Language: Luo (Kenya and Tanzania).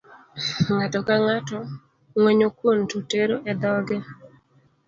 Ng'ato ka ng'ato ngwenyo kuon to tero e dhoge.